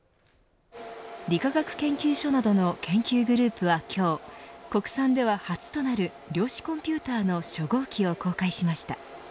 理化学研究所などの研究グループは今日国産では初となる量子コンピューターの初号機を公開しました。